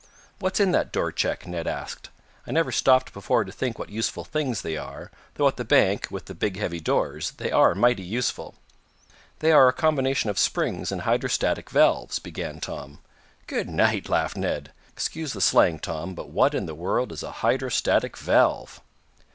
"What's in that door check?" Ned asked. "I never stopped before to think what useful things they are, though at the bank, with the big, heavy doors, they are mighty useful." "They are a combination of springs and hydrostatic valves," began Tom. "Good night!" laughed Ned. "Excuse the slang, Tom, but what in the world is a hydrostatic valve?"